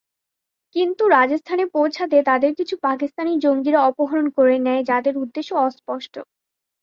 কিন্তু রাজস্থানে পৌঁছাতে তাদের কিছু পাকিস্তানি জঙ্গিরা অপহরণ করে নেয় যাদের উদ্দেশ্য অস্পষ্ট।